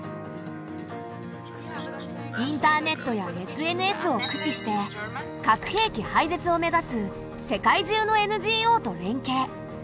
インターネットやＳＮＳを駆使して核兵器廃絶を目指す世界中のＮＧＯと連携。